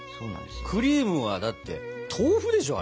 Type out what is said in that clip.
クリームはだって豆腐でしょ？